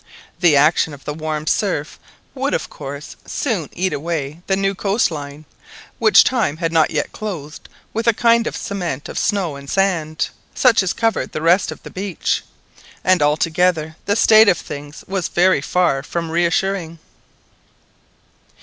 The action of the warm surf would, of course, soon eat away the new coast line, which time had not yet clothed with a kind of cement of snow and sand, such as covered the rest of the beach, and altogether the state of things was very far from reassuring.